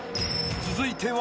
［続いては］